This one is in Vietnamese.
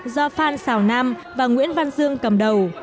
do phan xào nam và nguyễn văn dương cầm đầu